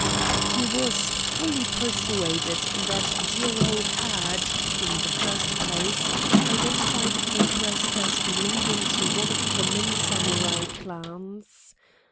He was fully persuaded that Jiro had, in the first place, identified the crest as belonging to one of the many Samurai clans.